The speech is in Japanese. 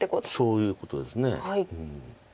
そういうことです。